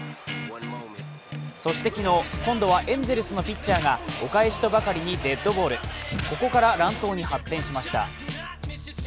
そして昨日、今度はエンゼルスのピッチャーがお返しとばかりにデッドボール、ここから乱闘に発展しました。